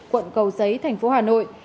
quận cầu giấy tp hà nội